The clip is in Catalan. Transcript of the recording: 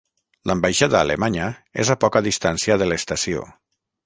L'ambaixada alemanya és a poca distància de l'estació.